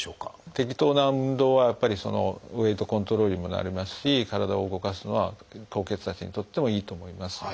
適当な運動はやっぱりウエイトコントロールにもなりますし体を動かすのは高血圧にとってもいいと思います。